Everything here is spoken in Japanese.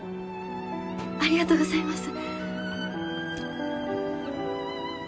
ありがとうございます！